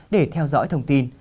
để theo dõi thông tin